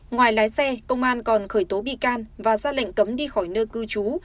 ngoài lái xe công an còn khởi tố bị can và ra lệnh cấm đi khỏi nơi cư trú